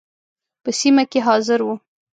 په سیمه کې حاضر وو.